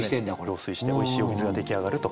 浄水しておいしいお水が出来上がると。